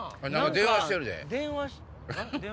電話してる。